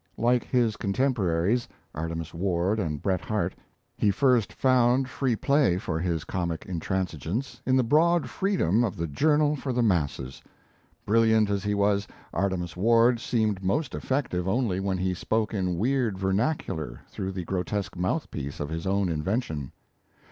Like his contemporaries, Artemus Ward and Bret Harte, he first found free play for his comic intransigeance in the broad freedom of the journal for the masses. Brilliant as he was, Artemus Ward seemed most effective only when he spoke in weird vernacular through the grotesque mouthpiece of his own invention.